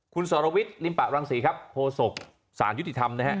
คุณสรวิทย์ลิมปะรังศรีครับโฆษกสารยุติธรรมนะฮะ